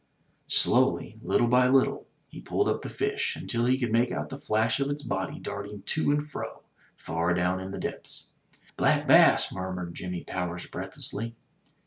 Slowly, little by little, he pulled up the fish, until he could make out the flash of its body darting to and fro far down in the depths. *' Black bass!'* murmured Jimmy Powers breathlessly.